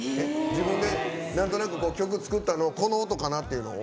自分でなんとなく曲作ったのをこの音かな？っていうのを？